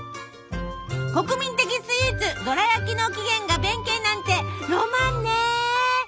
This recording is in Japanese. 国民的スイーツどら焼きの起源が弁慶なんてロマンね！